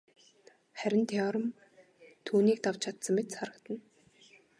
Харин Теорем түүнийг давж чадсан мэт харагдана.